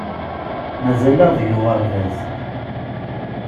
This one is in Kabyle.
Mazal-aɣ deg uɣerbaz.